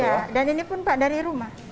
iya dan ini pun pak dari rumah